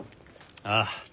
ああ。